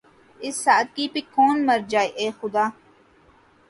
اس سادگی پہ کون مر جائے‘ اے خدا!